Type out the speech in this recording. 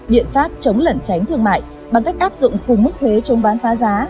biện pháp chống lẩn tránh thương mại bằng cách áp dụng cùng mức thuế chống bán phá giá